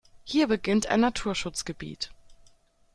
Hier beginnt ein Naturschutzgebiet.